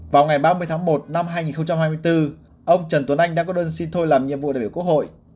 vào ngày ba mươi tháng một năm hai nghìn hai mươi bốn ông trần tuấn anh đã có đơn xin thôi làm nhiệm vụ đại biểu quốc hội